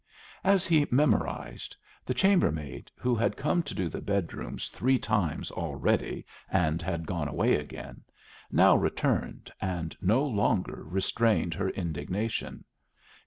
As he memorized, the chambermaid, who had come to do the bedrooms three times already and had gone away again, now returned and no longer restrained her indignation.